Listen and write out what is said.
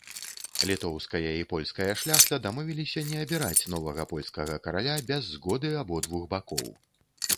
Літоўская і польская шляхта дамовіліся не абіраць новага польскага караля без згоды абодвух бакоў.